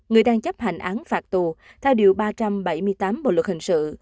người đang chấp hành án phạt tù theo điều ba trăm bảy mươi tám bộ luật hình sự